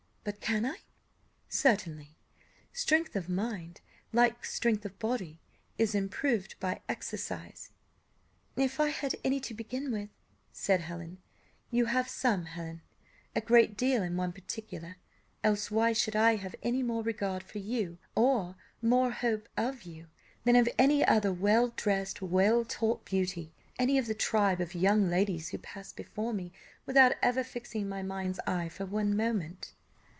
"But can I?" "Certainly; strength of mind, like strength of body, is improved by exercise." "If I had any to begin with " said Helen. "You have some, Helen, a great deal in one particular, else why should I have any more regard for you, or more hope of you, than of any other well dressed, well taught beauty, any of the tribe of young ladies who pass before me without ever fixing my mind's eye for one moment?"